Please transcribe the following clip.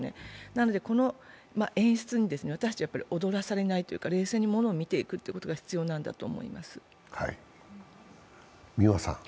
なので、この演出に私たちは踊らされない冷静にものを見ていくことが必要なんだと思います。